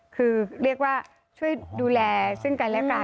คือเรียกว่าช่วยดูแลซึ่งกันแล้วกัน